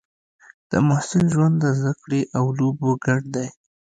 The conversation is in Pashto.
د محصل ژوند د زده کړې او لوبو ګډ دی.